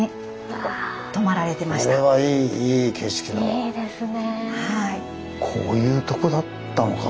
いいですね。